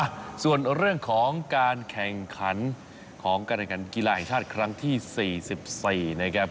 อ่ะส่วนเรื่องของการแข่งขันของการแขนการกีฬาแห่งชาติครั้งที่สี่สิบสี่นะครับ